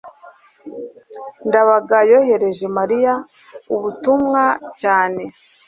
ndabaga yohereje mariya ubutumwa cyane